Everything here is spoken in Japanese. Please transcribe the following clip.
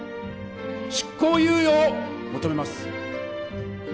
執行猶予を求めます。